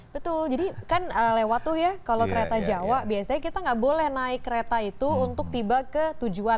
betul jadi kan lewat tuh ya kalau kereta jawa biasanya kita nggak boleh naik kereta itu untuk tiba ke tujuan